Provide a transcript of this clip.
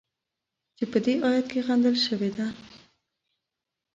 چې په دې ایت کې غندل شوې ده.